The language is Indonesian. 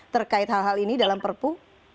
terkait hal hal ini dalam perpu